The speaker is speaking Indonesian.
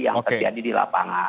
yang terjadi di lapangan